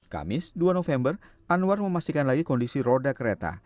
kamis dua november anwar memastikan lagi kondisi roda kereta